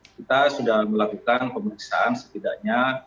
kita sudah melakukan pemeriksaan setidaknya